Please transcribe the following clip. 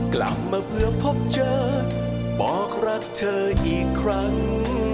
กลับมาเพื่อพบเจอบอกรักเธออีกครั้ง